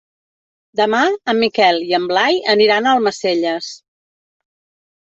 Demà en Miquel i en Blai aniran a Almacelles.